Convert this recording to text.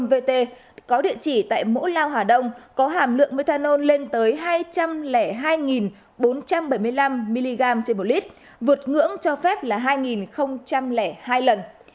vượt ngưỡng cho phép là hai hai lần